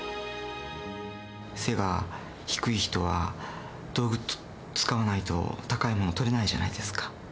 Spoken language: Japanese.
背が低い人は道具を使わないと、高いもの、取れないじゃないですか。